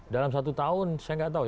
dalam satu tahun saya nggak tahu ya